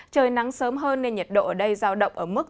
trời nắng sớm hơn nên nhiệt độ ở đây giao động ở mức